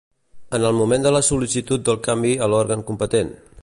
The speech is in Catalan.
En el moment de la sol·licitud del canvi a l'òrgan competent.